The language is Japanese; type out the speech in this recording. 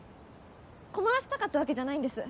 困らせたかったわけじゃないんです。